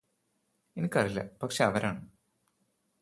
എനിക്കറിയില്ല പക്ഷേ അവരാണ്